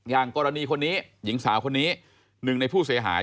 อย่างกรณีคนนี้หญิงสาวคนนี้หนึ่งในผู้เสียหาย